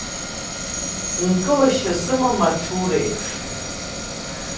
Нкылашьа сымам, аҽ-уреиԥш.